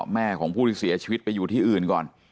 แม่ของผู้ที่เสียชีวิตไปอยู่ที่อื่นก่อน